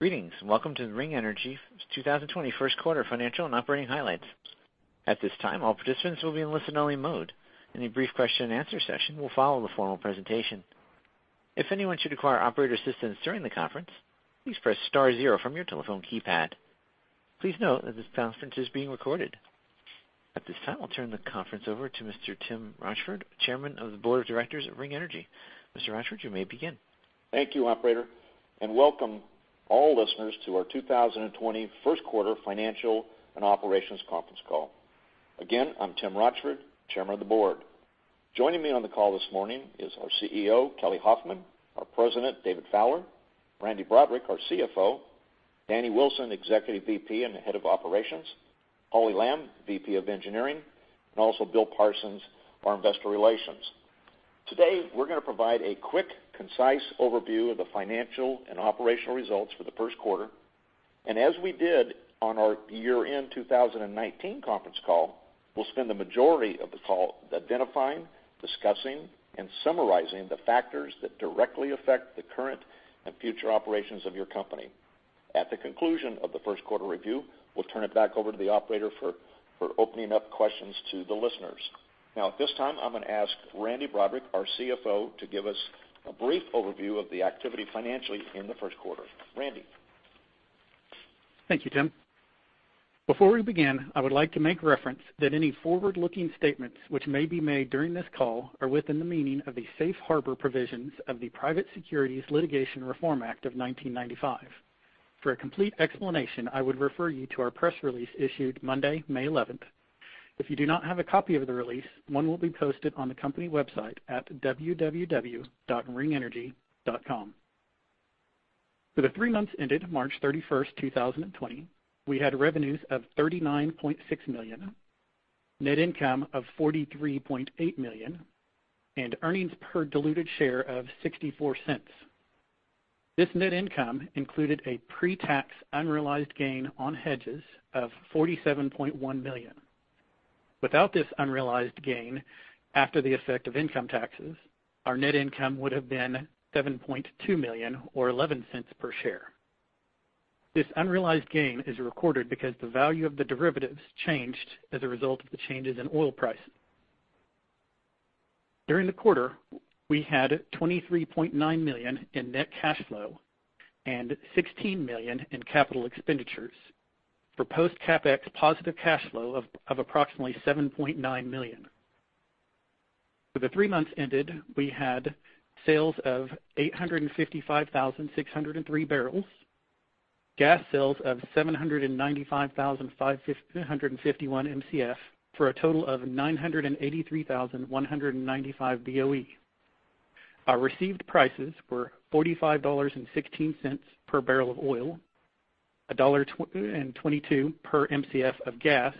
Greetings, welcome to Ring Energy's 2020 first quarter financial and operating highlights. At this time, all participants will be in listen-only mode, and a brief question-and-answer session will follow the formal presentation. If anyone should require operator assistance during the conference, please press star zero from your telephone keypad. Please note that this conference is being recorded. At this time, I'll turn the conference over to Mr. Tim Rochford, Chairman of the Board of Directors at Ring Energy. Mr. Rochford, you may begin. Thank you, operator. Welcome all listeners to our 2020 first quarter financial and operations conference call. Again, I'm Tim Rochford, Chairman of the Board. Joining me on the call this morning is our CEO, Kelly Hoffman, our President, David Fowler, Randy Broaddrick, our CFO, Danny Wilson, Executive VP and the Head of Operations, Hollie Lamb, VP of Engineering, also Bill Parsons, our Investor Relations. Today, we're going to provide a quick, concise overview of the financial and operational results for the first quarter. As we did on our year-end 2019 conference call, we'll spend the majority of the call identifying, discussing, and summarizing the factors that directly affect the current and future operations of your company. At the conclusion of the first quarter review, we'll turn it back over to the operator for opening up questions to the listeners. At this time, I'm going to ask Randy Broaddrick, our CFO, to give us a brief overview of the activity financially in the first quarter. Randy. Thank you, Tim. Before we begin, I would like to make reference that any forward-looking statements which may be made during this call are within the meaning of the Safe Harbor provisions of the Private Securities Litigation Reform Act of 1995. For a complete explanation, I would refer you to our press release issued Monday, May 11th. If you do not have a copy of the release, one will be posted on the company website at www.ringenergy.com. For the three months ended March 31st, 2020, we had revenues of $39.6 million, net income of $43.8 million, and earnings per diluted share of $0.64. This net income included a pre-tax unrealized gain on hedges of $47.1 million. Without this unrealized gain, after the effect of income taxes, our net income would have been $7.2 million or $0.11 per share. This unrealized gain is recorded because the value of the derivatives changed as a result of the changes in oil prices. During the quarter, we had $23.9 million in net cash flow and $16 million in capital expenditures for post CapEx positive cash flow of approximately $7.9 million. For the three months ended, we had sales of 855,603 barrels, gas sales of 795,551 Mcf for a total of 983,195 BOE. Our received prices were $45.16 per barrel of oil, $1.22 per Mcf of gas,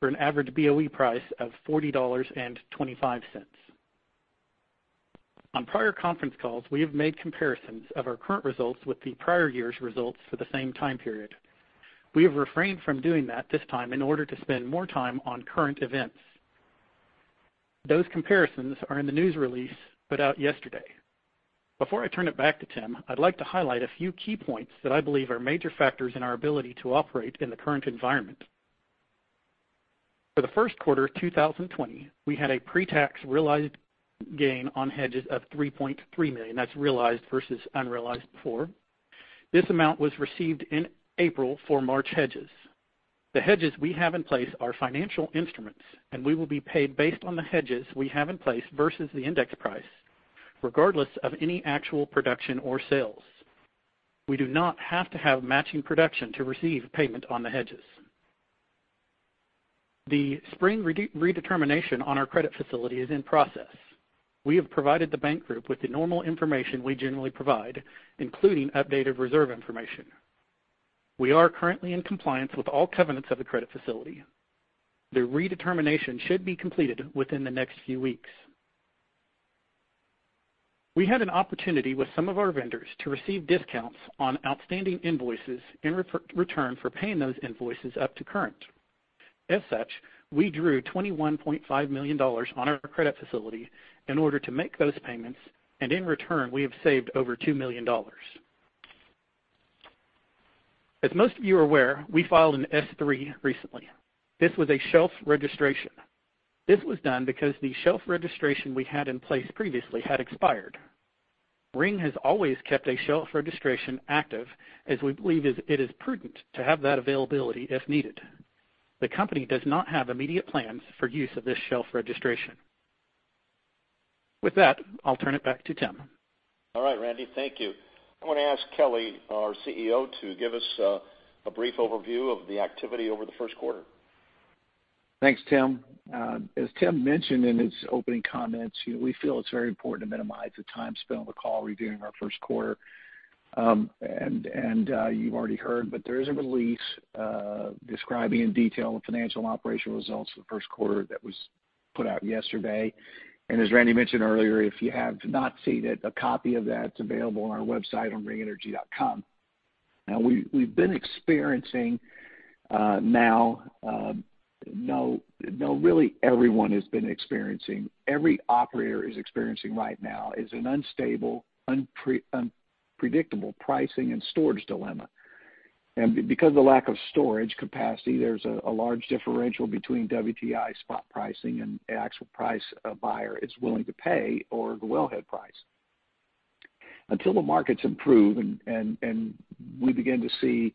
for an average BOE price of $40.25. On prior conference calls, we have made comparisons of our current results with the prior year's results for the same time period. We have refrained from doing that this time in order to spend more time on current events. Those comparisons are in the news release put out yesterday. Before I turn it back to Tim, I'd like to highlight a few key points that I believe are major factors in our ability to operate in the current environment. For the first quarter of 2020, we had a pre-tax realized gain on hedges of $3.3 million. That's realized versus unrealized before. This amount was received in April for March hedges. The hedges we have in place are financial instruments, and we will be paid based on the hedges we have in place versus the index price, regardless of any actual production or sales. We do not have to have matching production to receive payment on the hedges. The spring redetermination on our credit facility is in process. We have provided the bank group with the normal information we generally provide, including updated reserve information. We are currently in compliance with all covenants of the credit facility. The redetermination should be completed within the next few weeks. We had an opportunity with some of our vendors to receive discounts on outstanding invoices in return for paying those invoices up to current. As such, we drew $21.5 million on our credit facility in order to make those payments, and in return, we have saved over $2 million. As most of you are aware, we filed an S-3 recently. This was a shelf registration. This was done because the shelf registration we had in place previously had expired. Ring has always kept a shelf registration active as we believe it is prudent to have that availability if needed. The company does not have immediate plans for use of this shelf registration. With that, I'll turn it back to Tim. All right, Randy. Thank you. I want to ask Kelly, our CEO, to give us a brief overview of the activity over the first quarter. Thanks, Tim. As Tim mentioned in his opening comments, we feel it's very important to minimize the time spent on the call reviewing our first quarter. You've already heard, there is a release describing in detail the financial and operational results for the first quarter that was put out yesterday. As Randy mentioned earlier, if you have not seen it, a copy of that's available on our website on ringenergy.com. Really, everyone has been experiencing, every operator is experiencing right now is an unstable, unpredictable pricing and storage dilemma. Because of the lack of storage capacity, there's a large differential between WTI spot pricing and the actual price a buyer is willing to pay or the wellhead price. Until the markets improve and we begin to see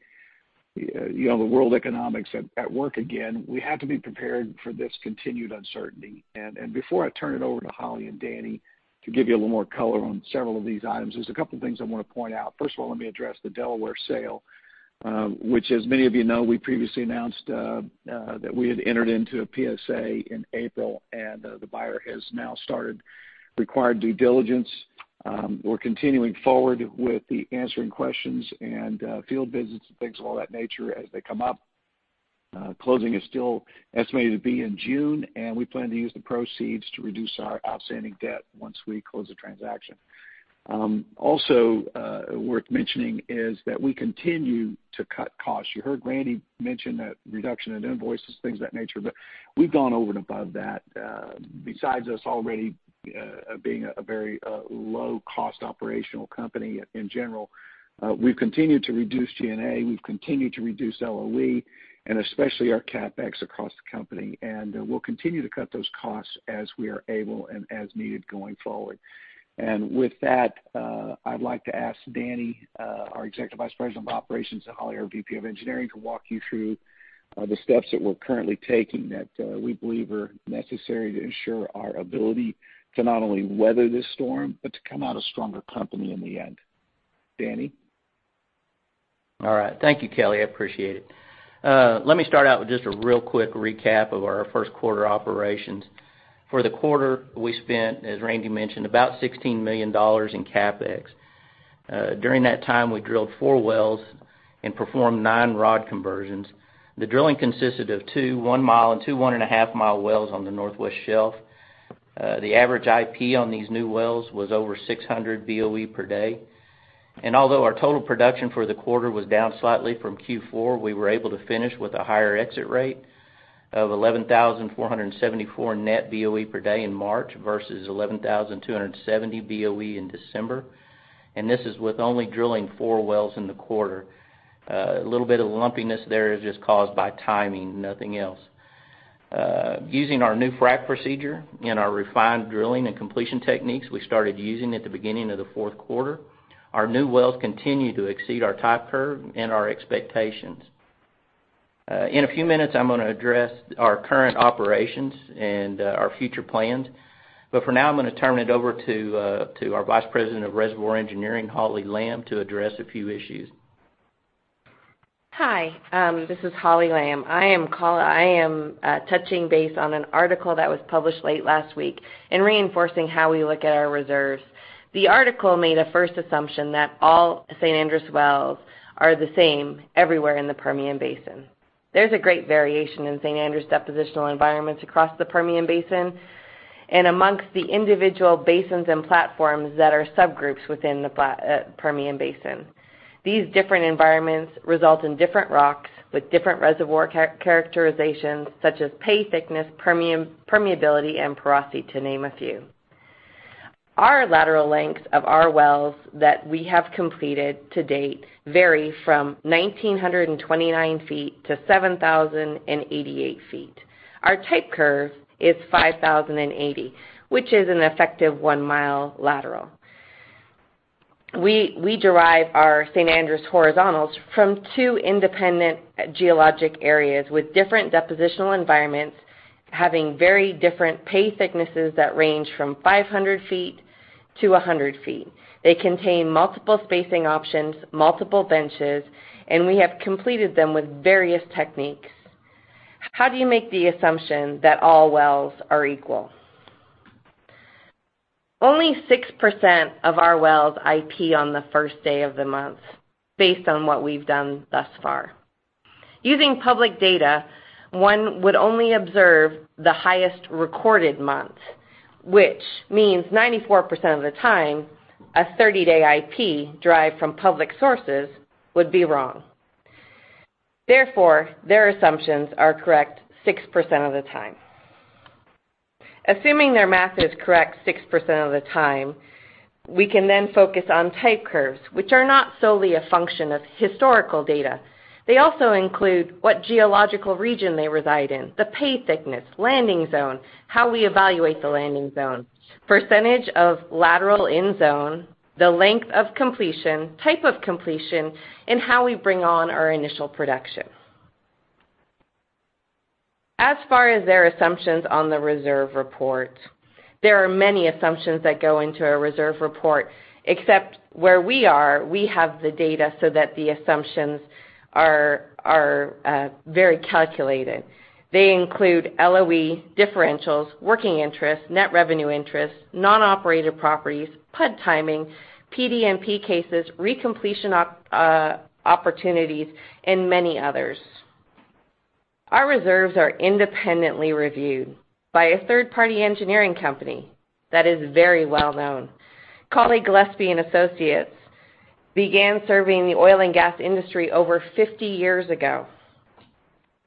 the world economics at work again, we have to be prepared for this continued uncertainty. Before I turn it over to Hollie and Danny to give you a little more color on several of these items, there's a couple of things I want to point out. First of all, let me address the Delaware sale, which as many of you know, we previously announced that we had entered into a PSA in April, and the buyer has now started required due diligence. We're continuing forward with the answering questions and field visits and things of all that nature as they come up. Closing is still estimated to be in June, and we plan to use the proceeds to reduce our outstanding debt once we close the transaction. Also, worth mentioning is that we continue to cut costs. You heard Randy mention that reduction in invoices, things of that nature, but we've gone over and above that. Besides us already being a very low-cost operational company in general, we've continued to reduce G&A, we've continued to reduce LOE, and especially our CapEx across the company. We'll continue to cut those costs as we are able and as needed going forward. With that, I'd like to ask Danny, our Executive Vice President of Operations, and Hollie, our VP of Engineering, to walk you through the steps that we're currently taking that we believe are necessary to ensure our ability to not only weather this storm, but to come out a stronger company in the end. Danny? All right. Thank you, Kelly. I appreciate it. Let me start out with just a real quick recap of our first quarter operations. For the quarter, we spent, as Randy mentioned, about $16 million in CapEx. During that time, we drilled four wells and performed nine rod conversions. The drilling consisted of two one-mile and two one-and-a-half-mile wells on the Northwest Shelf. The average IP on these new wells was over 600 BOE per day. Although our total production for the quarter was down slightly from Q4, we were able to finish with a higher exit rate of 11,474 net BOE per day in March versus 11,270 BOE in December. This is with only drilling four wells in the quarter. A little bit of lumpiness there is just caused by timing, nothing else. Using our new frac procedure and our refined drilling and completion techniques we started using at the beginning of the fourth quarter, our new wells continue to exceed our type curve and our expectations. In a few minutes, I'm going to address our current operations and our future plans. For now, I'm going to turn it over to our Vice President of Reservoir Engineering, Hollie Lamb, to address a few issues. Hi, this is Hollie Lamb. I am touching base on an article that was published late last week and reinforcing how we look at our reserves. The article made a false assumption that all San Andres wells are the same everywhere in the Permian Basin. There's a great variation in San Andres depositional environments across the Permian Basin and amongst the individual basins and platforms that are subgroups within the Permian Basin. These different environments result in different rocks with different reservoir characterizations, such as pay thickness, permeability, and porosity, to name a few. Our lateral lengths of our wells that we have completed to date vary from 1,929 ft to 7,088 ft. Our type curve is 5,080 ft, which is an effective one-mile lateral. We derive our San Andres horizontals from two independent geologic areas with different depositional environments, having very different pay thicknesses that range from 500 ft to 100 ft. They contain multiple spacing options, multiple benches, and we have completed them with various techniques. How do you make the assumption that all wells are equal? Only 6% of our wells IP on the first day of the month, based on what we've done thus far. Using public data, one would only observe the highest recorded month, which means 94% of the time, a 30-day IP derived from public sources would be wrong. Therefore, their assumptions are correct 6% of the time. Assuming their math is correct 6% of the time, we can then focus on type curves, which are not solely a function of historical data. They also include what geological region they reside in, the pay thickness, landing zone, how we evaluate the landing zone, percentage of lateral end zone, the length of completion, type of completion, and how we bring on our initial production. Far as their assumptions on the reserve report, there are many assumptions that go into a reserve report, except where we are, we have the data so that the assumptions are very calculated. They include LOE, differentials, working interest, net revenue interest, non-operator properties, PUD timing, PDNP cases, recompletion opportunities, and many others. Our reserves are independently reviewed by a third-party engineering company that is very well known. Cawley, Gillespie & Associates began serving the oil and gas industry over 50 years ago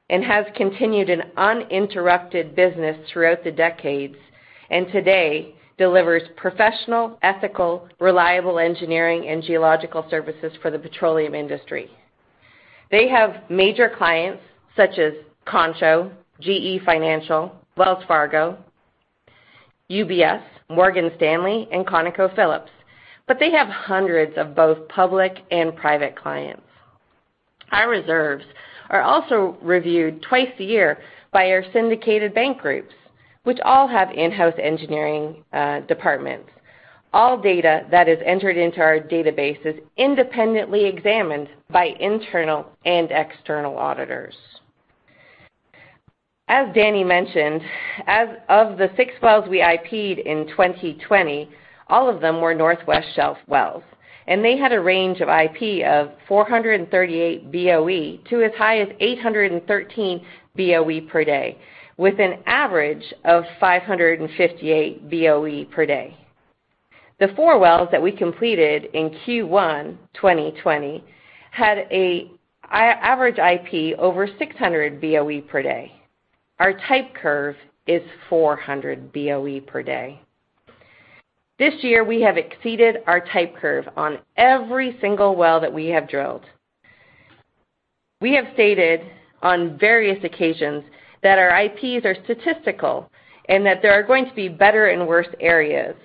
and has continued an uninterrupted business throughout the decades, and today delivers professional, ethical, reliable engineering and geological services for the petroleum industry. They have major clients such as Concho, GE Financial, Wells Fargo, UBS, Morgan Stanley, and ConocoPhillips, but they have hundreds of both public and private clients. Our reserves are also reviewed twice a year by our syndicated bank groups, which all have in-house engineering departments. All data that is entered into our database is independently examined by internal and external auditors. As Danny mentioned, as of the six wells we IP'd in 2020, all of them were Northwest Shelf wells, and they had a range of IP of 438 BOE to as high as 813 BOE per day, with an average of 558 BOE per day. The four wells that we completed in Q1 2020 had an average IP over 600 BOE per day. Our type curve is 400 BOE per day. This year, we have exceeded our type curve on every single well that we have drilled. We have stated on various occasions that our IPs are statistical and that there are going to be better and worse areas.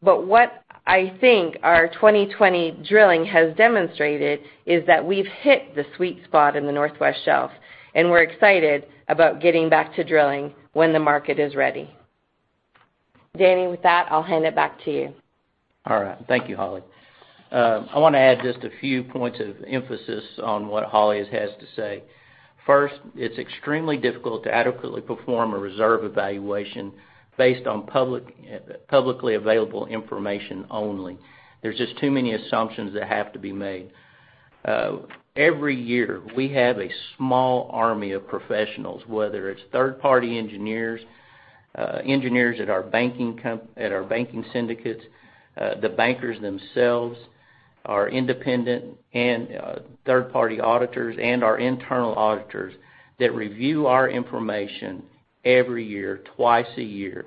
What I think our 2020 drilling has demonstrated is that we've hit the sweet spot in the Northwest Shelf. We're excited about getting back to drilling when the market is ready. Danny, with that, I'll hand it back to you. All right. Thank you, Hollie. I want to add just a few points of emphasis on what Hollie has to say. First, it's extremely difficult to adequately perform a reserve evaluation based on publicly available information only. There's just too many assumptions that have to be made. Every year, we have a small army of professionals, whether it's third-party engineers at our banking syndicates, the bankers themselves, our independent and third-party auditors, and our internal auditors that review our information every year, twice a year.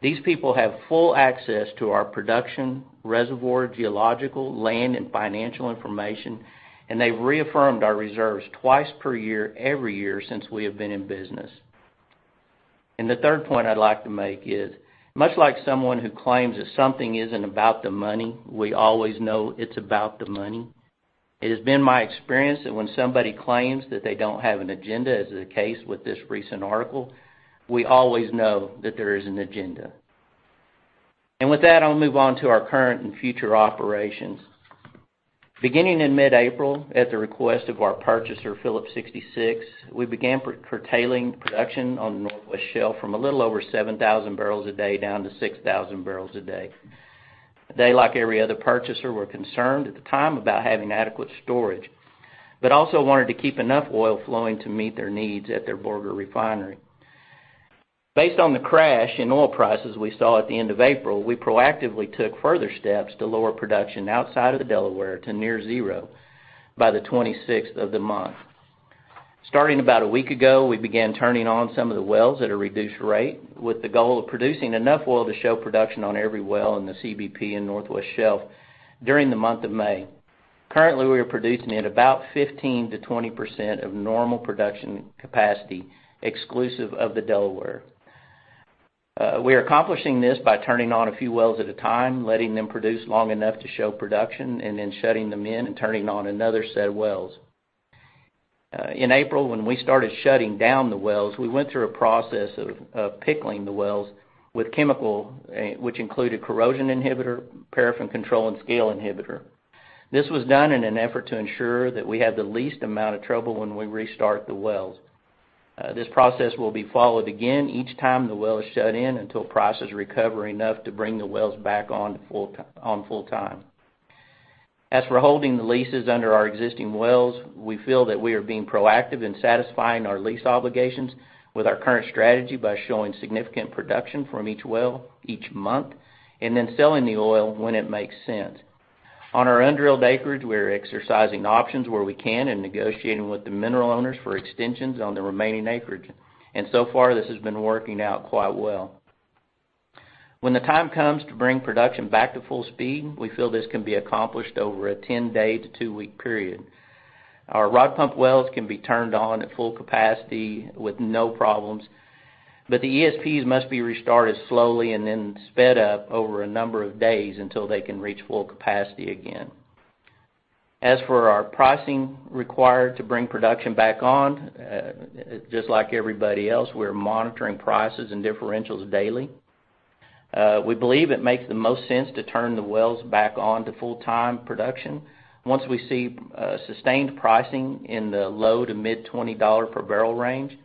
These people have full access to our production, reservoir, geological, land, and financial information, and they've reaffirmed our reserves twice per year every year since we have been in business. The third point I'd like to make is, much like someone who claims that something isn't about the money, we always know it's about the money. It has been my experience that when somebody claims that they don't have an agenda, as is the case with this recent article, we always know that there is an agenda. With that, I'll move on to our current and future operations. Beginning in mid-April, at the request of our purchaser, Phillips 66, we began curtailing production on the Northwest Shelf from a little over 7,000 barrels a day down to 6,000 barrels a day. They, like every other purchaser, were concerned at the time about having adequate storage, but also wanted to keep enough oil flowing to meet their needs at their Borger refinery. Based on the crash in oil prices we saw at the end of April, we proactively took further steps to lower production outside of the Delaware to near zero by the 26th of the month. Starting about a week ago, we began turning on some of the wells at a reduced rate with the goal of producing enough oil to show production on every well in the CBP and Northwest Shelf during the month of May. Currently, we are producing at about 15%-20% of normal production capacity, exclusive of the Delaware. We are accomplishing this by turning on a few wells at a time, letting them produce long enough to show production, and then shutting them in and turning on another set of wells. In April, when we started shutting down the wells, we went through a process of pickling the wells with chemical, which included corrosion inhibitor, paraffin control, and scale inhibitor. This was done in an effort to ensure that we have the least amount of trouble when we restart the wells. This process will be followed again each time the well is shut in until prices recover enough to bring the wells back on full time. As for holding the leases under our existing wells, we feel that we are being proactive in satisfying our lease obligations with our current strategy by showing significant production from each well each month and then selling the oil when it makes sense. On our undrilled acreage, we are exercising options where we can and negotiating with the mineral owners for extensions on the remaining acreage, and so far, this has been working out quite well. When the time comes to bring production back to full speed, we feel this can be accomplished over a 10-day to two-week period. Our rod pump wells can be turned on at full capacity with no problems, but the ESPs must be restarted slowly and then sped up over a number of days until they can reach full capacity again. As for our pricing required to bring production back on, just like everybody else, we're monitoring prices and differentials daily. We believe it makes the most sense to turn the wells back on to full-time production once we see sustained pricing in the low to mid-$20 per barrel range.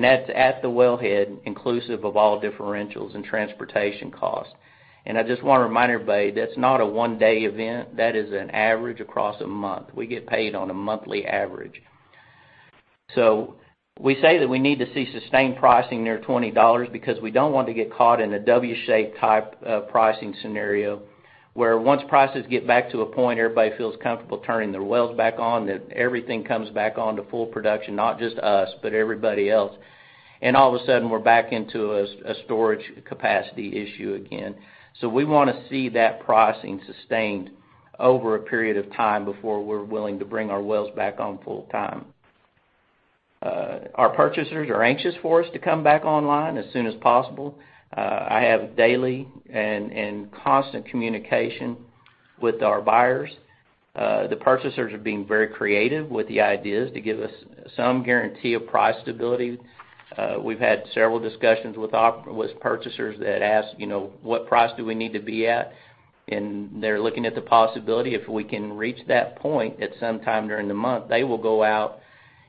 That's at the wellhead, inclusive of all differentials and transportation costs. I just want to remind everybody, that's not a one-day event. That is an average across a month. We get paid on a monthly average. We say that we need to see sustained pricing near $20 because we don't want to get caught in a W shape type of pricing scenario, where once prices get back to a point everybody feels comfortable turning their wells back on, then everything comes back on to full production, not just us, but everybody else. All of a sudden, we're back into a storage capacity issue again. We want to see that pricing sustained over a period of time before we're willing to bring our wells back on full time. Our purchasers are anxious for us to come back online as soon as possible. I have daily and constant communication with our buyers. The purchasers are being very creative with the ideas to give us some guarantee of price stability. We've had several discussions with purchasers that ask, what price do we need to be at? They're looking at the possibility, if we can reach that point at some time during the month, they will go out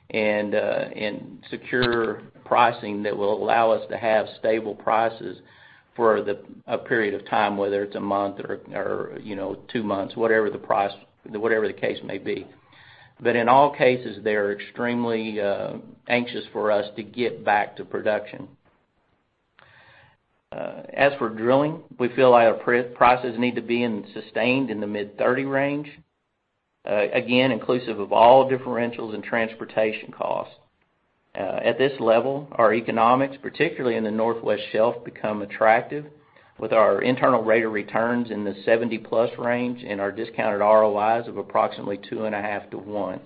and secure pricing that will allow us to have stable prices for a period of time, whether it's a month or two months, whatever the case may be. In all cases, they are extremely anxious for us to get back to production. As for drilling, we feel our prices need to be sustained in the mid-$30 range. Again, inclusive of all differentials and transportation costs. At this level, our economics, particularly in the Northwest Shelf, become attractive with our internal rate of returns in the 70+ range and our discounted ROIs of approximately two and half to one.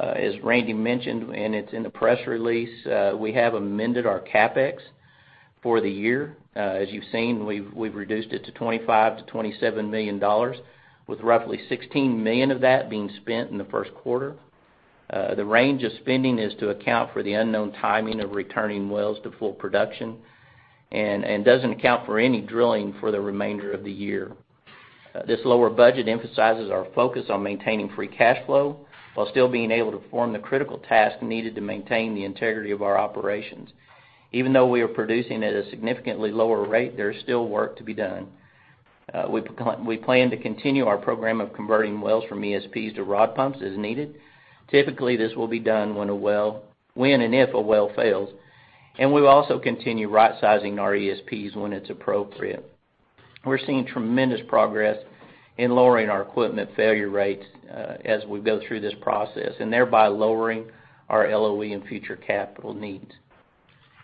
As Randy mentioned, and it's in the press release, we have amended our CapEx for the year. As you've seen, we've reduced it to $25 million-$27 million, with roughly $16 million of that being spent in the first quarter. The range of spending is to account for the unknown timing of returning wells to full production and doesn't account for any drilling for the remainder of the year. This lower budget emphasizes our focus on maintaining free cash flow while still being able to form the critical task needed to maintain the integrity of our operations. Even though we are producing at a significantly lower rate, there is still work to be done. We plan to continue our program of converting wells from ESPs to rod pumps as needed. Typically, this will be done when and if a well fails. We will also continue rightsizing our ESPs when it's appropriate. We're seeing tremendous progress in lowering our equipment failure rates as we go through this process, thereby lowering our LOE and future capital needs.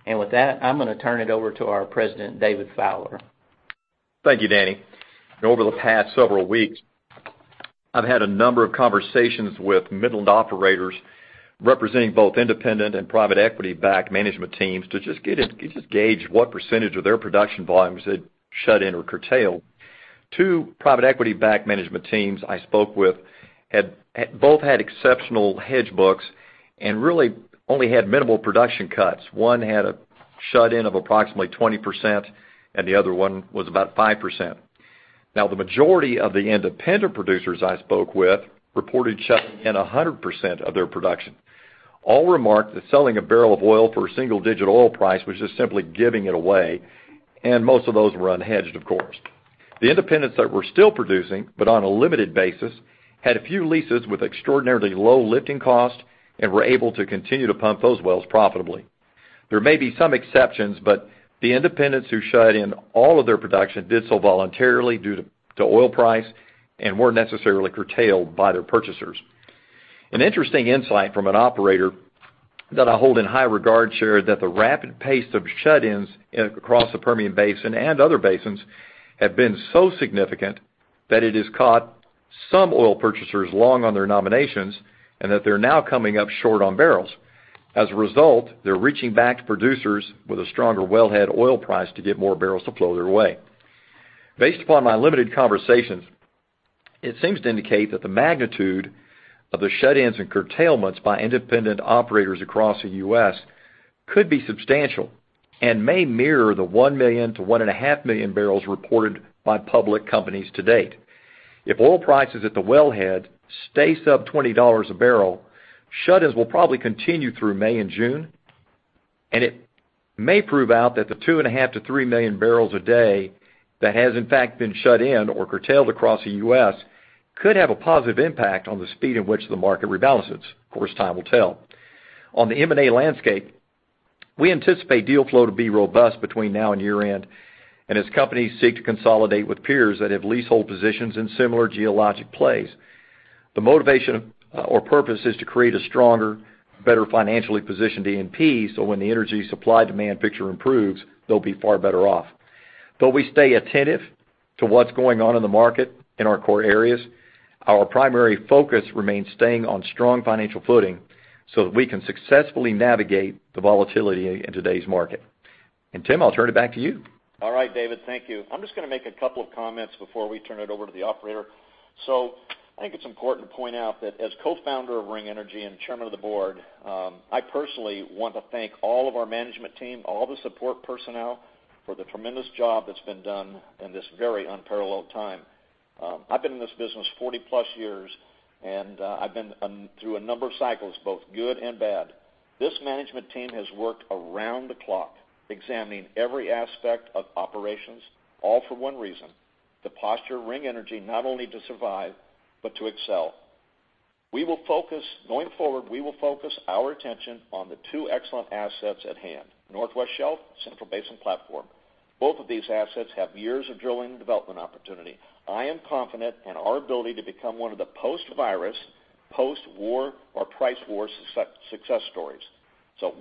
With that, I'm going to turn it over to our president, David Fowler. Thank you, Danny. Over the past several weeks, I've had a number of conversations with Midland operators representing both independent and private equity-backed management teams to just gauge what percentage of their production volumes had shut in or curtailed. Two private equity-backed management teams I spoke with both had exceptional hedge books and really only had minimal production cuts. One had a shut-in of approximately 20%, and the other one was about 5%. The majority of the independent producers I spoke with reported shutting in 100% of their production. All remarked that selling a barrel of oil for a single-digit oil price was just simply giving it away, and most of those were unhedged, of course. The independents that were still producing, but on a limited basis, had a few leases with extraordinarily low lifting costs and were able to continue to pump those wells profitably. There may be some exceptions, but the independents who shut in all of their production did so voluntarily due to oil price and weren't necessarily curtailed by their purchasers. An interesting insight from an operator that I hold in high regard shared that the rapid pace of shut-ins across the Permian Basin and other basins have been so significant that it has caught some oil purchasers long on their nominations and that they're now coming up short on barrels. As a result, they're reaching back to producers with a stronger wellhead oil price to get more barrels to flow their way. Based upon my limited conversations, it seems to indicate that the magnitude of the shut-ins and curtailments by independent operators across the U.S. could be substantial and may mirror the one million-one and half million barrels reported by public companies to date. If oil prices at the wellhead stay sub $20 a barrel, shut-ins will probably continue through May and June, and it may prove out that the two and half million barrels-three million barrels a day that has in fact been shut in or curtailed across the U.S. could have a positive impact on the speed at which the market rebalances. Of course, time will tell. On the M&A landscape, we anticipate deal flow to be robust between now and year-end, and as companies seek to consolidate with peers that have leasehold positions in similar geologic plays. The motivation or purpose is to create a stronger, better financially positioned E&P, so when the energy supply-demand picture improves, they'll be far better off. We stay attentive to what's going on in the market in our core areas. Our primary focus remains staying on strong financial footing so that we can successfully navigate the volatility in today's market. Tim, I'll turn it back to you. All right, David. Thank you. I'm just going to make a couple of comments before we turn it over to the operator. I think it's important to point out that as co-founder of Ring Energy and chairman of the board, I personally want to thank all of our management team, all the support personnel for the tremendous job that's been done in this very unparalleled time. I've been in this business 40+ years, and I've been through a number of cycles, both good and bad. This management team has worked around the clock examining every aspect of operations, all for one reason, to posture Ring Energy not only to survive but to excel. Going forward, we will focus our attention on the two excellent assets at hand, Northwest Shelf, Central Basin Platform. Both of these assets have years of drilling and development opportunity. I am confident in our ability to become one of the post-virus, post-war or price war success stories.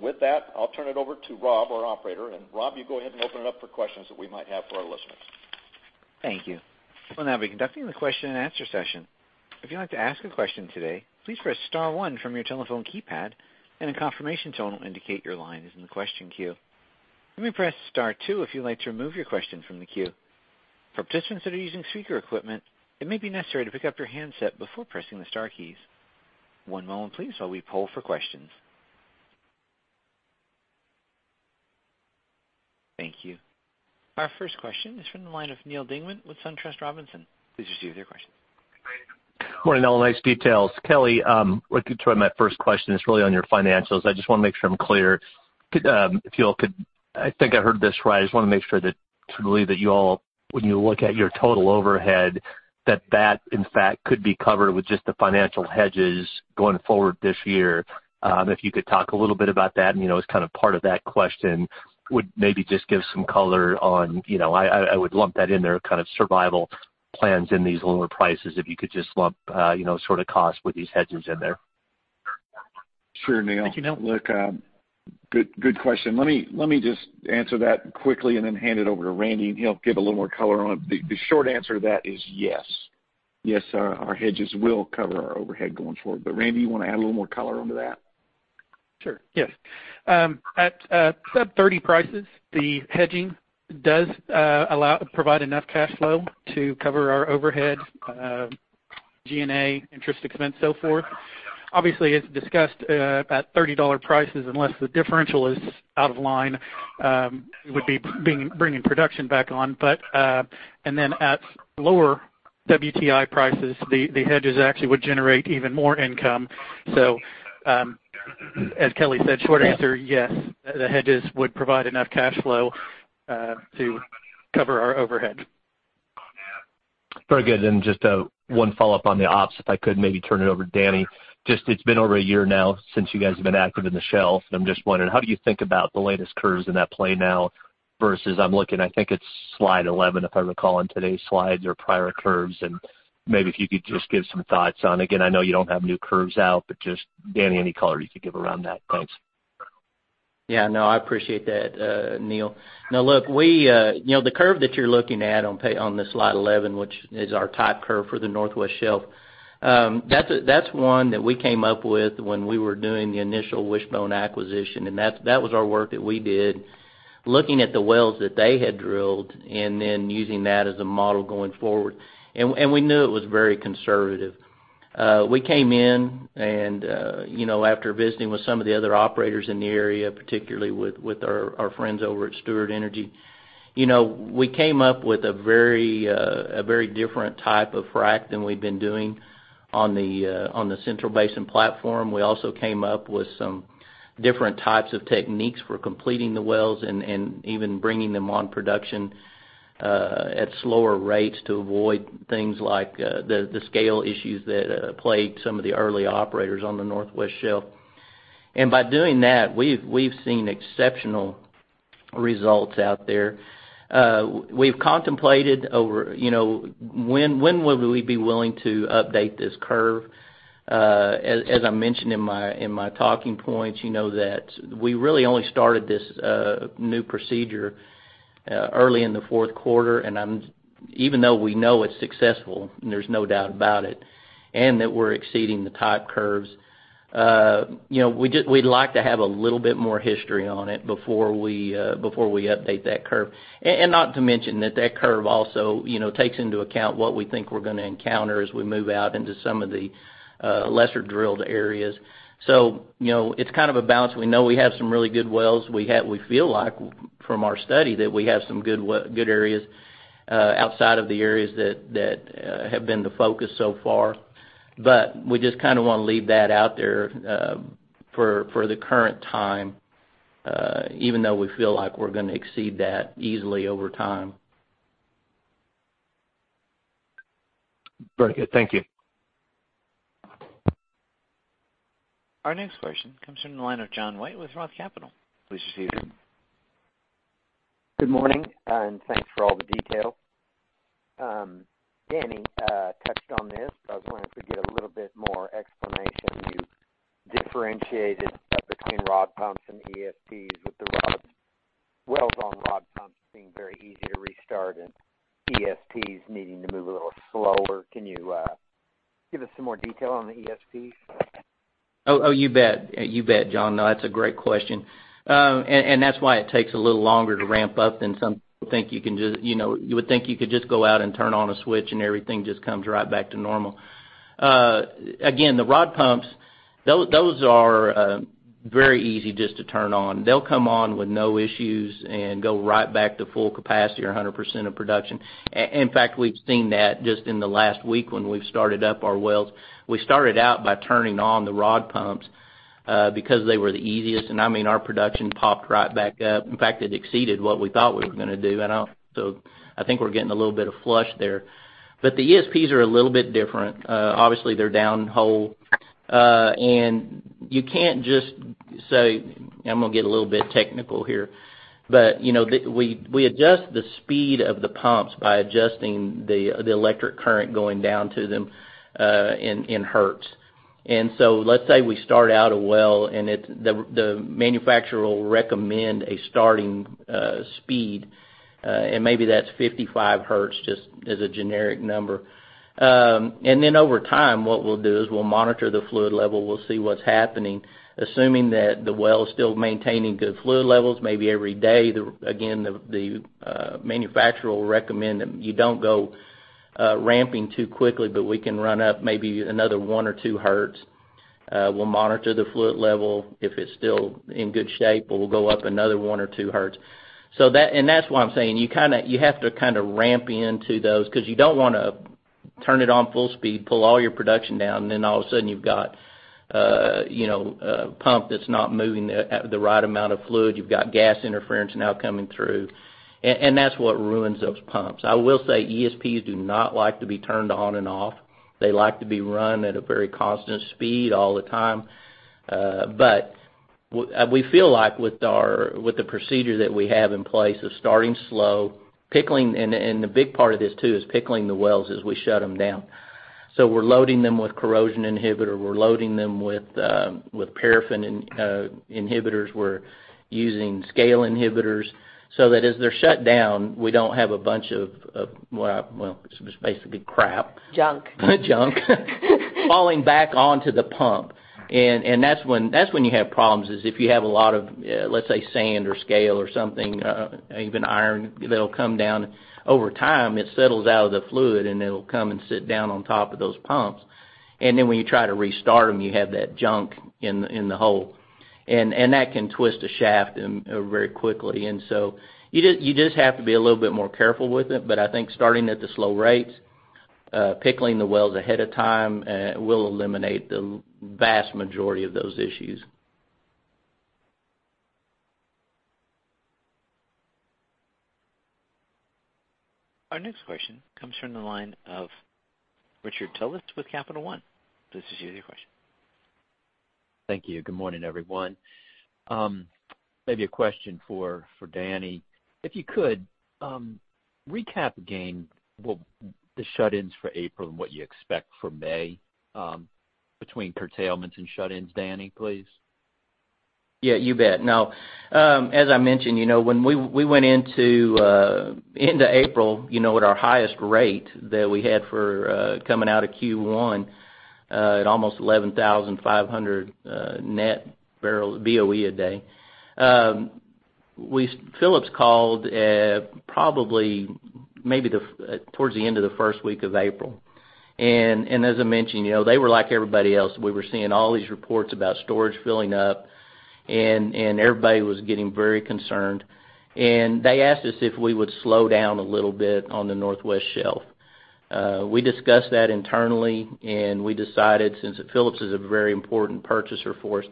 With that, I'll turn it over to Rob, our operator, and Rob, you go ahead and open it up for questions that we might have for our listeners. Thank you. We'll now be conducting the question and answer session. If you'd like to ask a question today, please press star one from your telephone keypad, and a confirmation tone will indicate your line is in the question queue. You may press star two if you'd like to remove your question from the queue. For participants that are using speaker equipment, it may be necessary to pick up your handset before pressing the star keys. One moment please while we poll for questions. Thank you. Our first question is from the line of Neal Dingmann with SunTrust Robinson. Please proceed with your question. Great. Morning, all. Nice details. Kelly, my first question is really on your financials. I just want to make sure I'm clear. I think I heard this right, I just want to make sure that to believe that you all, when you look at your total overhead, that in fact could be covered with just the financial hedges going forward this year. If you could talk a little bit about that, as kind of part of that question, would maybe just give some color on, I would lump that in there, kind of survival plans in these lower prices, if you could just lump sort of cost with these hedges in there? Sure, Neal. Thank you, Neal. Look, good question. Let me just answer that quickly and then hand it over to Randy, and he'll give a little more color on it. The short answer to that is yes. Yes, our hedges will cover our overhead going forward. Randy, you want to add a little more color onto that? Sure. Yes. At sub $30 prices, the hedging does provide enough cash flow to cover our overhead, G&A, interest expense, so forth. Obviously, as discussed, at $30 prices, unless the differential is out of line, would be bringing production back on. At lower WTI prices, the hedges actually would generate even more income. As Kelly said, short answer, yes. The hedges would provide enough cash flow to cover our overhead. Very good. Just one follow-up on the ops, if I could maybe turn it over to Danny. Just it's been over a year now since you guys have been active in the Shelf, and I'm just wondering, how do you think about the latest curves in that play now versus, I'm looking, I think it's slide 11, if I recall, in today's slides or prior curves, and maybe if you could just give some thoughts on. Again, I know you don't have new curves out, but just Danny, any color you could give around that? Thanks. Yeah, no, I appreciate that, Neal. Look, the curve that you're looking at on the slide 11, which is our type curve for the Northwest Shelf. That's one that we came up with when we were doing the initial Wishbone acquisition, that was our work that we did looking at the wells that they had drilled then using that as a model going forward. We knew it was very conservative. We came in after visiting with some of the other operators in the area, particularly with our friends over at Steward Energy, we came up with a very different type of frac than we've been doing on the Central Basin Platform. We also came up with some different types of techniques for completing the wells and even bringing them on production at slower rates to avoid things like the scale issues that plagued some of the early operators on the Northwest Shelf. By doing that, we've seen exceptional results out there. We've contemplated over when would we be willing to update this curve. As I mentioned in my talking points, you know that we really only started this new procedure early in the fourth quarter. Even though we know it's successful, there's no doubt about it. That we're exceeding the type curves, we'd like to have a little bit more history on it before we update that curve. Not to mention that that curve also takes into account what we think we're going to encounter as we move out into some of the lesser-drilled areas. It's kind of a balance. We know we have some really good wells. We feel like from our study that we have some good areas outside of the areas that have been the focus so far. We just want to leave that out there for the current time, even though we feel like we're going to exceed that easily over time. Very good. Thank you. Our next question comes from the line of John White with ROTH Capital. Please proceed. Good morning, and thanks for all the detail. Danny touched on this, but I was wanting to get a little bit more explanation. You differentiated between rod pumps and ESPs, with the wells on rod pumps being very easy to restart and ESPs needing to move a little slower. Can you give us some more detail on the ESPs? Oh, you bet, John. That's a great question. That's why it takes a little longer to ramp up than some people think. You would think you could just go out and turn on a switch and everything just comes right back to normal. Again, the rod pumps. Those are very easy just to turn on. They'll come on with no issues and go right back to full capacity or 100% of production. In fact, we've seen that just in the last week when we've started up our wells. We started out by turning on the rod pumps because they were the easiest, and our production popped right back up. In fact, it exceeded what we thought we were going to do. I think we're getting a little bit of flush there. The ESPs are a little bit different. Obviously, they're downhole. I'm going to get a little bit technical here, but we adjust the speed of the pumps by adjusting the electric current going down to them in hertz. Let's say we start out a well and the manufacturer will recommend a starting speed, and maybe that's 55 hertz, just as a generic number. Over time, what we'll do is we'll monitor the fluid level, we'll see what's happening. Assuming that the well is still maintaining good fluid levels, maybe every day, again, the manufacturer will recommend that you don't go ramping too quickly, but we can run up maybe another one or two hertz. We'll monitor the fluid level. If it's still in good shape, we'll go up another one or two hertz. That's why I'm saying, you have to ramp into those, because you don't want to turn it on full speed, pull all your production down, and then all of a sudden you've got a pump that's not moving the right amount of fluid. You've got gas interference now coming through. That's what ruins those pumps. I will say ESPs do not like to be turned on and off. They like to be run at a very constant speed all the time. We feel like with the procedure that we have in place of starting slow, pickling, and the big part of this too is pickling the wells as we shut them down. We're loading them with corrosion inhibitor, we're loading them with paraffin inhibitors, we're using scale inhibitors, so that as they're shut down, we don't have a bunch of, well, it's basically crap. Junk. Junk falling back onto the pump. That's when you have problems, is if you have a lot of, let's say, sand or scale or something, even iron that'll come down. Over time, it settles out of the fluid, and it'll come and sit down on top of those pumps. When you try to restart them, you have that junk in the hole. That can twist a shaft very quickly. You just have to be a little bit more careful with it. I think starting at the slow rates, pickling the wells ahead of time will eliminate the vast majority of those issues. Our next question comes from the line of Richard Tullis with Capital One. Please issue your question. Thank you. Good morning, everyone. Maybe a question for Danny. If you could, recap again the shut-ins for April and what you expect for May between curtailments and shut-ins, Danny, please? Yeah, you bet. As I mentioned, when we went into end of April at our highest rate that we had for coming out of Q1 at almost 11,500 net BOE a day. Phillips called probably maybe towards the end of the first week of April. As I mentioned, they were like everybody else. We were seeing all these reports about storage filling up, everybody was getting very concerned. They asked us if we would slow down a little bit on the Northwest Shelf. We discussed that internally, we decided since Phillips is a very important purchaser for us.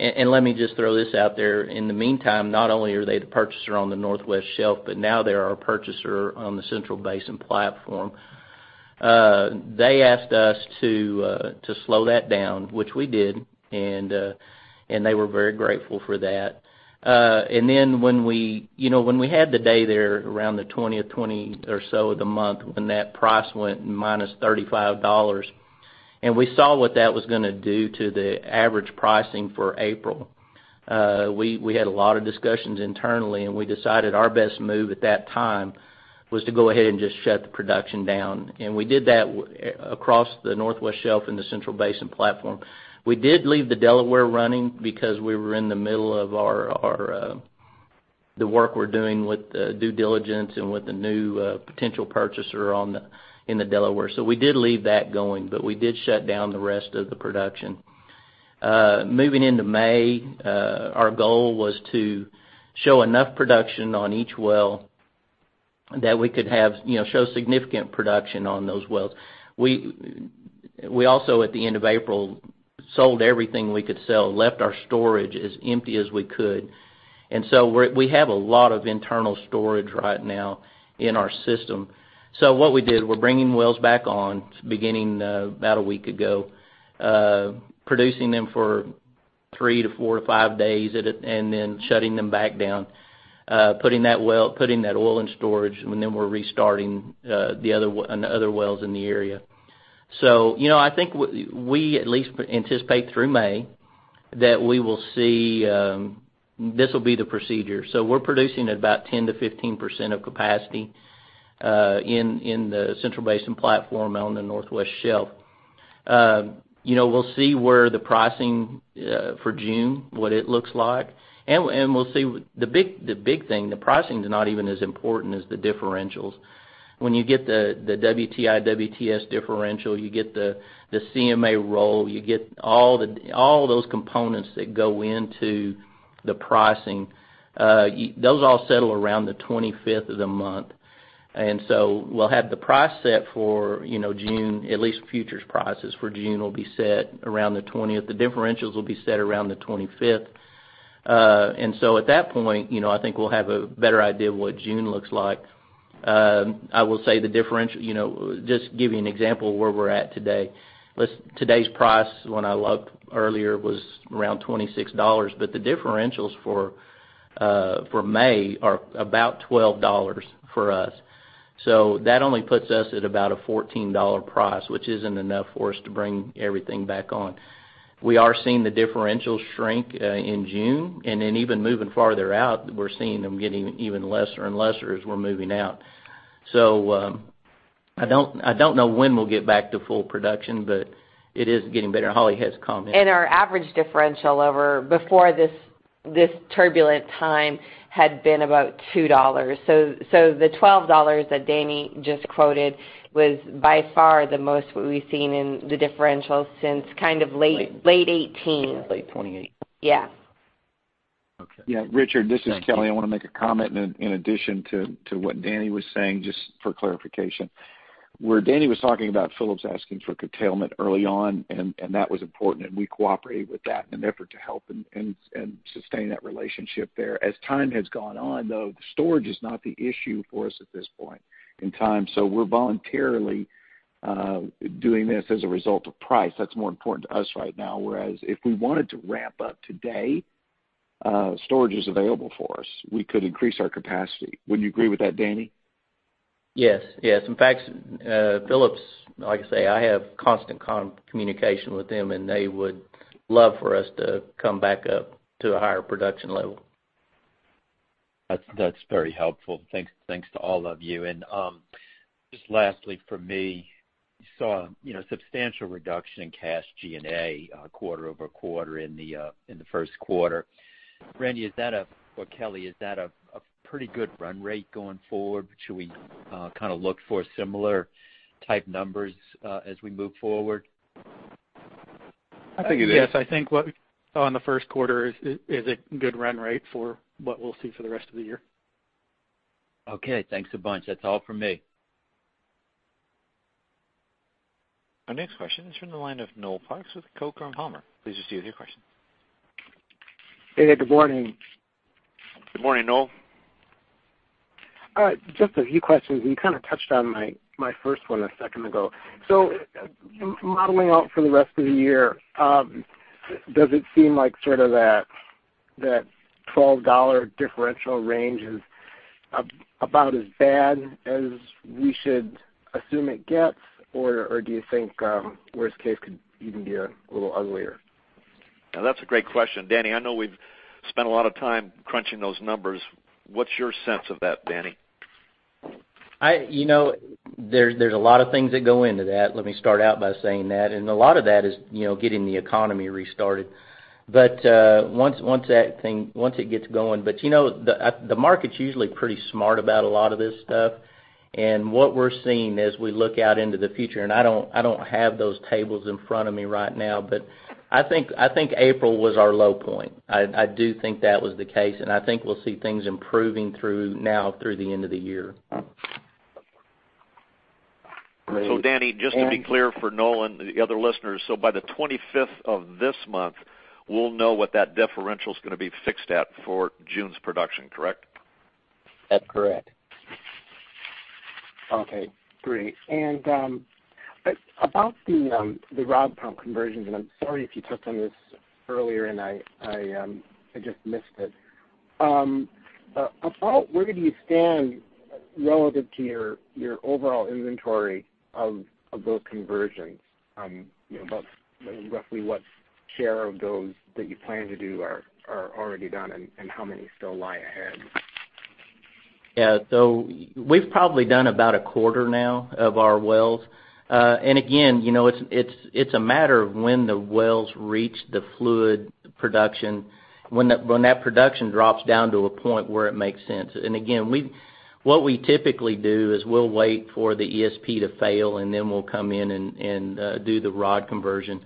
Let me just throw this out there. In the meantime, not only are they the purchaser on the Northwest Shelf, but now they're our purchaser on the Central Basin Platform. They asked us to slow that down, which we did, and they were very grateful for that. When we had the day there around the 20th or so of the month when that price went -$35, and we saw what that was going to do to the average pricing for April. We had a lot of discussions internally, and we decided our best move at that time was to go ahead and just shut the production down. We did that across the Northwest Shelf and the Central Basin Platform. We did leave the Delaware running because we were in the middle of the work we're doing with due diligence and with the new potential purchaser in the Delaware. We did leave that going, but we did shut down the rest of the production. Moving into May, our goal was to show enough production on each well that we could show significant production on those wells. We also, at the end of April, sold everything we could sell, left our storage as empty as we could. We have a lot of internal storage right now in our system. What we did, we're bringing wells back on, beginning about a week ago, producing them for three to four to five days, and then shutting them back down. Putting that oil in storage, we're restarting the other wells in the area. I think we at least anticipate through May that we will see this will be the procedure. We're producing about 10%-15% of capacity in the Central Basin Platform on the Northwest Shelf. We'll see where the pricing for June, what it looks like. We'll see. The big thing, the pricing is not even as important as the differentials. When you get the WTI, WTS differential, you get the CMA roll, you get all those components that go into the pricing, those all settle around the 25th of the month. We'll have the price set for June, at least futures prices for June will be set around the 20th. The differentials will be set around the 25th. At that point, I think we'll have a better idea of what June looks like. I will say the differential, just to give you an example of where we're at today. Today's price, when I looked earlier, was around $26, but the differentials for May are about $12 for us. That only puts us at about a $14 price, which isn't enough for us to bring everything back on. We are seeing the differentials shrink in June, and then even moving farther out, we're seeing them getting even lesser and lesser as we're moving out. I don't know when we'll get back to full production, but it is getting better. Hollie has a comment. Our average differential before this turbulent time had been about $2. The $12 that Danny just quoted was by far the most we've seen in the differentials since kind of late 2018. Late 2018. Yeah. Okay. Yeah, Richard, this is Kelly. I want to make a comment in addition to what Danny was saying, just for clarification. Where Danny was talking about Phillips asking for curtailment early on, and that was important, and we cooperated with that in an effort to help and sustain that relationship there. As time has gone on, though, the storage is not the issue for us at this point in time. We're voluntarily doing this as a result of price. That's more important to us right now. Whereas, if we wanted to ramp up today, storage is available for us. We could increase our capacity. Wouldn't you agree with that, Danny? Yes. In fact, Phillips, like I say, I have constant communication with them. They would love for us to come back up to a higher production level. That's very helpful. Thanks to all of you. Just lastly from me, we saw a substantial reduction in cash G&A quarter-over-quarter in the first quarter. Randy, or Kelly, is that a pretty good run rate going forward? Should we look for similar type numbers as we move forward? I think it is. Yes, I think what we saw in the first quarter is a good run rate for what we'll see for the rest of the year. Okay. Thanks a bunch. That's all from me. Our next question is from the line of Noel Parks with Coker and Palmer. Please proceed with your question. Hey. Good morning. Good morning, Noel. All right, just a few questions. You kind of touched on my first one a second ago. Modeling out for the rest of the year, does it seem like sort of that $12 differential range is about as bad as we should assume it gets? Or do you think worst case could even be a little uglier? That's a great question. Danny, I know we've spent a lot of time crunching those numbers. What's your sense of that, Danny? There's a lot of things that go into that, let me start out by saying that, and a lot of that is getting the economy restarted. Once it gets going. The market's usually pretty smart about a lot of this stuff, and what we're seeing as we look out into the future, and I don't have those tables in front of me right now, but I think April was our low point. I do think that was the case, and I think we'll see things improving now through the end of the year. Great. Danny, just to be clear for Noel and the other listeners, so by the 25th of this month, we'll know what that differential's going to be fixed at for June's production, correct? That's correct. Okay, great. About the rod pump conversions, I'm sorry if you touched on this earlier and I just missed it. Where do you stand relative to your overall inventory of those conversions? Roughly what share of those that you plan to do are already done, and how many still lie ahead? Yeah. We've probably done about a quarter now of our wells. Again, it's a matter of when the wells reach the fluid production. When that production drops down to a point where it makes sense. Again, what we typically do is we'll wait for the ESP to fail, and then we'll come in and do the rod conversion.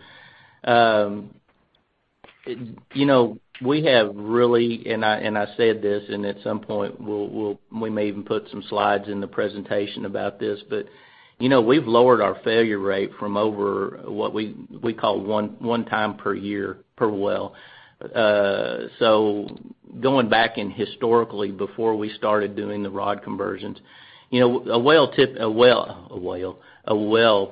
We have really, and I said this, and at some point we may even put some slides in the presentation about this, but we've lowered our failure rate from over what we call one time per year per well. Going back and historically, before we started doing the rod conversions, a well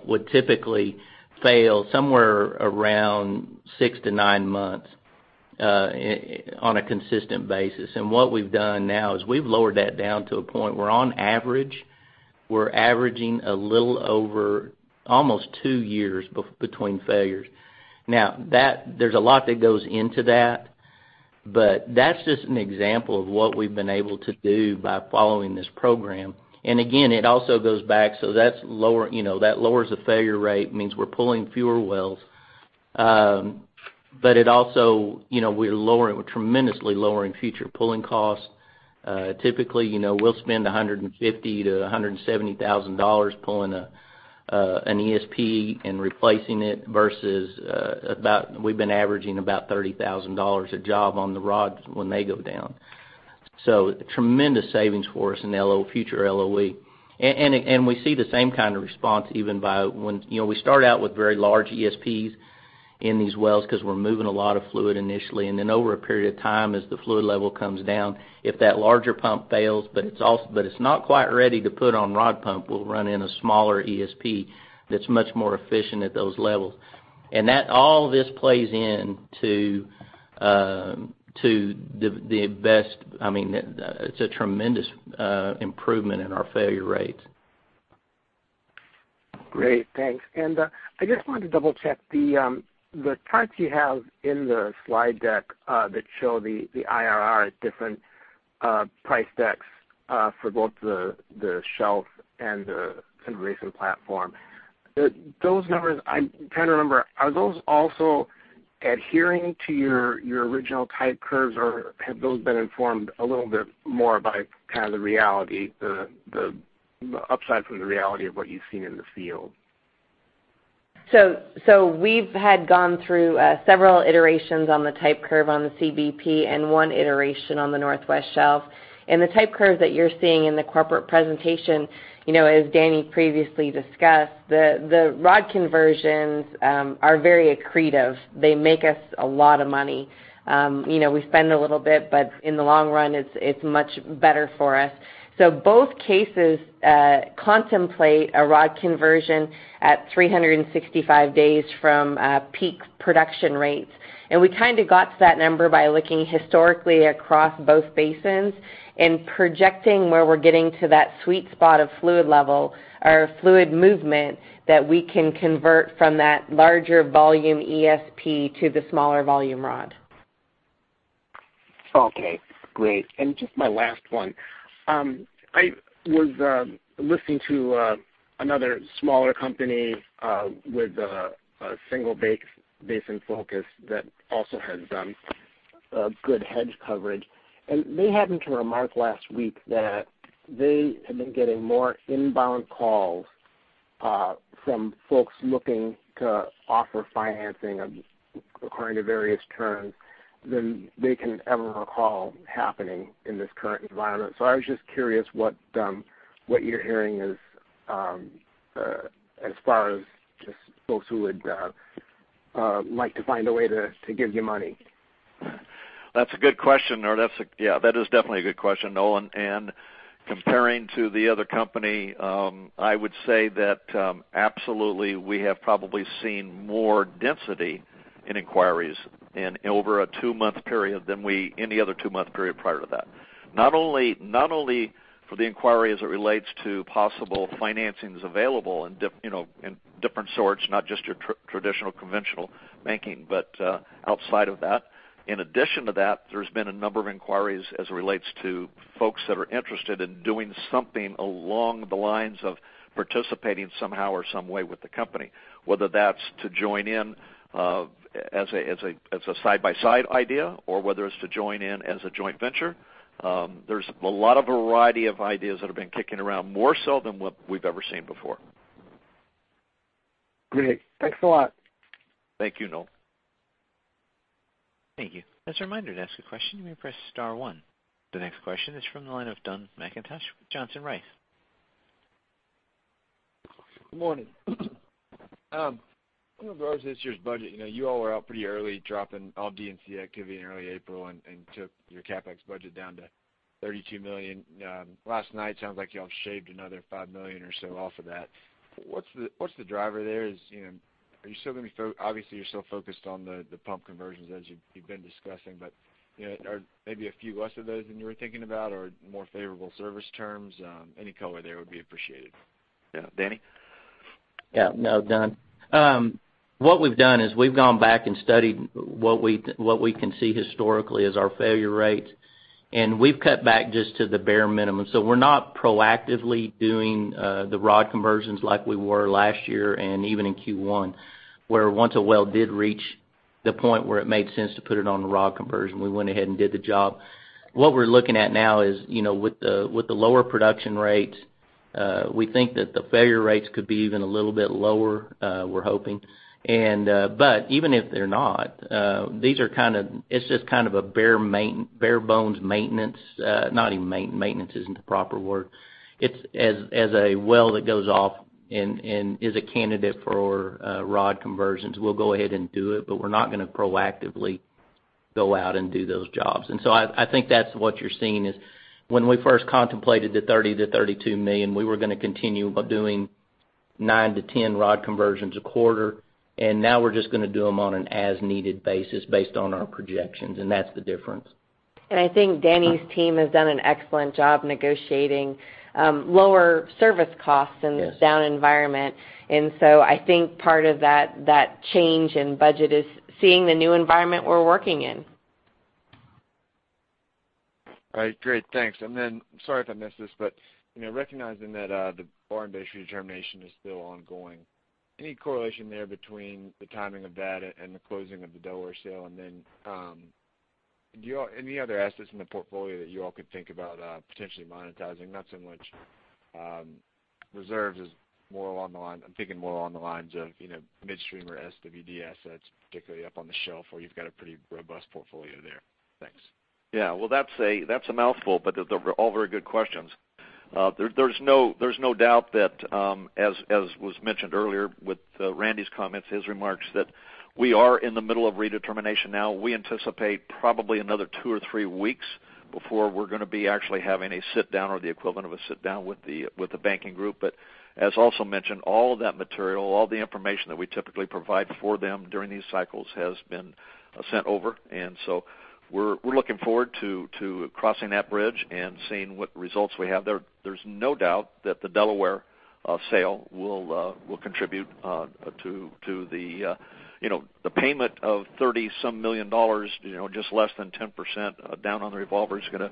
would typically fail somewhere around six to nine months on a consistent basis. What we've done now is we've lowered that down to a point where on average, we're averaging a little over almost two years between failures. Now, there's a lot that goes into that. That's just an example of what we've been able to do by following this program. Again, it also goes back, so that lowers the failure rate, means we're pulling fewer wells. It also, we're tremendously lowering future pulling costs. Typically, we'll spend $150,000-$170,000 pulling an ESP and replacing it versus about, we've been averaging about $30,000 a job on the rods when they go down. Tremendous savings for us in future LOE. We see the same kind of response. We start out with very large ESPs in these wells because we're moving a lot of fluid initially. Then over a period of time, as the fluid level comes down, if that larger pump fails, but it's not quite ready to put on rod pump, we'll run in a smaller ESP that's much more efficient at those levels. That all this plays in to the best, it's a tremendous improvement in our failure rates. Great, thanks. I just wanted to double-check the charts you have in the slide deck that show the IRR at different price decks for both the shelf and the conversion platform. Those numbers, I'm trying to remember, are those also adhering to your original type curves, or have those been informed a little bit more by the reality, the upside from the reality of what you've seen in the field? We've had gone through several iterations on the type curve on the CBP and one iteration on the Northwest Shelf. The type curves that you're seeing in the corporate presentation, as Danny previously discussed, the rod conversions are very accretive. They make us a lot of money. We spend a little bit, but in the long run, it's much better for us. Both cases contemplate a rod conversion at 365 days from peak production rates. We got to that number by looking historically across both basins and projecting where we're getting to that sweet spot of fluid level or fluid movement that we can convert from that larger volume ESP to the smaller volume rod. Okay, great. Just my last one. I was listening to another smaller company with a single basin focus that also has good hedge coverage. They happened to remark last week that they have been getting more inbound calls from folks looking to offer financing according to various terms than they can ever recall happening in this current environment. I was just curious what you're hearing as far as just folks who would like to find a way to give you money? That's a good question. Yeah, that is definitely a good question, Noel. Comparing to the other company, I would say that absolutely we have probably seen more density in inquiries over a two-month period than any other two-month period prior to that. Not only for the inquiry as it relates to possible financings available in different sorts, not just your traditional conventional banking, but outside of that. In addition to that, there's been a number of inquiries as it relates to folks that are interested in doing something along the lines of participating somehow or some way with the company, whether that's to join in as a side-by-side idea or whether it's to join in as a joint venture. There's a lot of variety of ideas that have been kicking around, more so than what we've ever seen before. Great. Thanks a lot. Thank you, Noel. Thank you. As a reminder, to ask a question, you may press star one. The next question is from the line of Dun McIntosh with Johnson Rice. Good morning. In regards to this year's budget, you all were out pretty early dropping all D&C activity in early April and took your CapEx budget down to $32 million. Last night, sounds like you all shaved another $5 million or so off of that. What's the driver there? Obviously, you're still focused on the pump conversions as you've been discussing, but are maybe a few less of those than you were thinking about or more favorable service terms? Any color there would be appreciated. Yeah, Danny? No, Dun. What we've done is we've gone back and studied what we can see historically as our failure rates, we've cut back just to the bare minimum. We're not proactively doing the rod conversions like we were last year and even in Q1, where once a well did reach the point where it made sense to put it on the rod conversion, we went ahead and did the job. What we're looking at now is, with the lower production rates, we think that the failure rates could be even a little bit lower, we're hoping. Even if they're not, it's just a bare bones maintenance, not even maintenance isn't the proper word. As a well that goes off and is a candidate for rod conversions, we'll go ahead and do it, but we're not going to proactively go out and do those jobs. I think that's what you're seeing is when we first contemplated the $30 million-$32 million, we were going to continue doing 9-10 rod conversions a quarter, and now we're just going to do them on an as-needed basis based on our projections, and that's the difference. I think Danny's team has done an excellent job negotiating lower service costs in this down environment. Yes. I think part of that change in budget is seeing the new environment we're working in. All right, great. Thanks. Sorry if I missed this, recognizing that the borrowing base redetermination is still ongoing, any correlation there between the timing of that and the closing of the Delaware sale? Any other assets in the portfolio that you all could think about potentially monetizing? Not so much reserves, I'm thinking more along the lines of midstream or SWD assets, particularly up on the shelf where you've got a pretty robust portfolio there. Thanks. Well, that's a mouthful, but those are all very good questions. There's no doubt that, as was mentioned earlier with Randy's comments, his remarks, that we are in the middle of redetermination now. We anticipate probably another two or three weeks before we're going to be actually having a sit-down, or the equivalent of a sit-down, with the banking group. As also mentioned, all of that material, all the information that we typically provide for them during these cycles, has been sent over. We're looking forward to crossing that bridge and seeing what results we have there. There's no doubt that the Delaware sale will contribute to the payment of $30-some million, just less than 10% down on the revolver, is going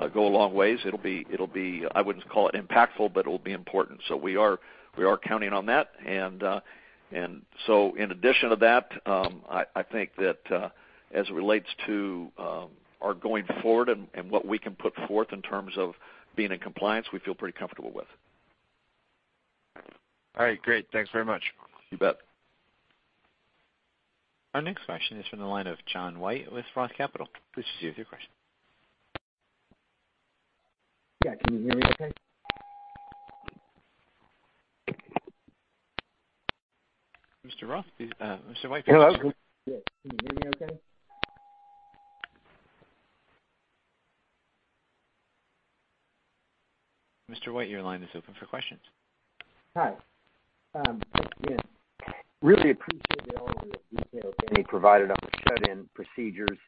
to go a long ways. It'll be, I wouldn't call it impactful, but it'll be important. We are counting on that. In addition to that, I think that as it relates to our going forward and what we can put forth in terms of being in compliance, we feel pretty comfortable with. All right, great. Thanks very much. You bet. Our next question is from the line of John White with ROTH Capital. Please proceed with your question. Yeah, can you hear me okay? Mr. White. Hello? Yes. Can you hear me okay? Mr. White, your line is open for questions. Hi. Again, really appreciate all of the details Danny provided on the shut-in procedures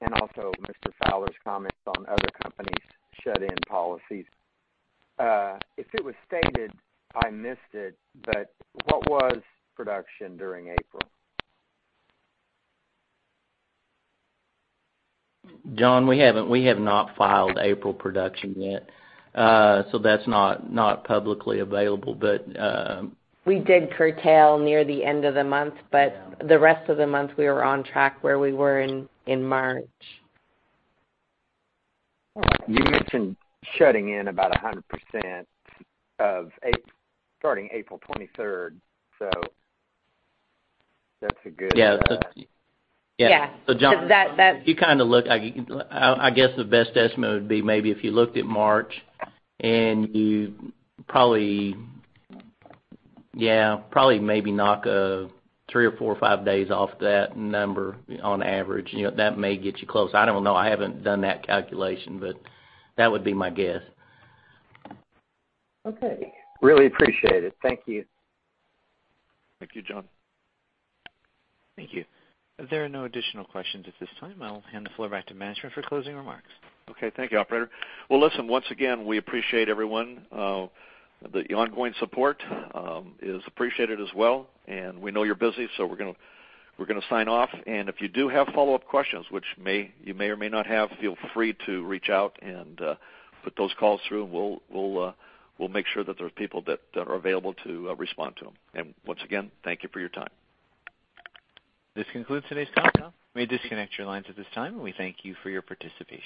and also Mr. Fowler's comments on other companies' shut-in policies. If it was stated, I missed it, but what was production during April? John, we have not filed April production yet. That's not publicly available. We did curtail near the end of the month, the rest of the month we were on track where we were in March. You mentioned shutting in about 100% starting April 23rd? Yeah. Yeah. John, if you look, I guess the best estimate would be maybe if you looked at March, and you probably maybe knock three or four or five days off that number on average. That may get you close. I don't know. I haven't done that calculation, but that would be my guess. Okay. Really appreciate it. Thank you. Thank you, John. Thank you. If there are no additional questions at this time, I will hand the floor back to management for closing remarks. Okay. Thank you, operator. Well, listen, once again, we appreciate everyone. The ongoing support is appreciated as well, and we know you're busy, so we're going to sign off, and if you do have follow-up questions, which you may or may not have, feel free to reach out and put those calls through, and we'll make sure that there's people that are available to respond to them. Once again, thank you for your time. This concludes today's conference call. You may disconnect your lines at this time, and we thank you for your participation.